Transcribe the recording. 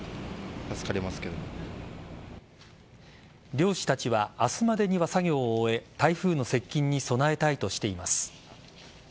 漁師たちは明日までには作業を終え台風の接近に備えたいとしています。